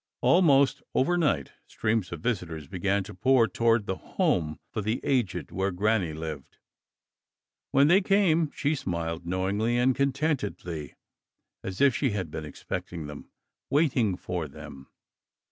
Almost overnight, streams of visitors began to pour toward the home for the aged where Granny lived. When they came, she smiled knowingly and contentedly, as if she had been expecting them, waiting for them.